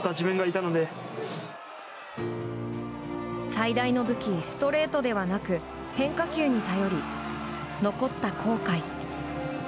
最大の武器ストレートではなく変化球に頼り、残った後悔。